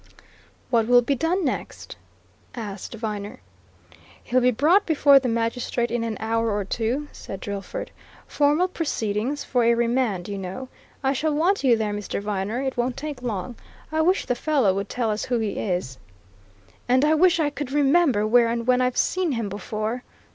"What will be done next?" asked Viner. "He'll be brought before the magistrate in an hour or two," said Drillford. "Formal proceedings for a remand, you know. I shall want you there, Mr. Viner; it won't take long. I wish the fellow would tell us who he is." "And I wish I could remember where and when I have seen him before!"